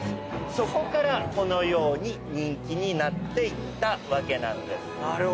そこからこのように人気になっていったわけなんです。